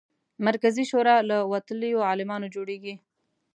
مرکزي شورا له وتلیو عالمانو جوړېږي.